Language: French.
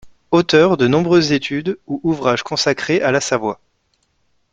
Auteur de nombreuses études ou ouvrages consacrés à la Savoie.